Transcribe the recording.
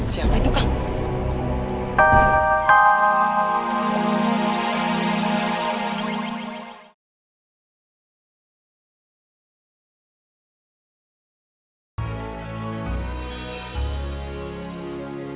siapa itu kau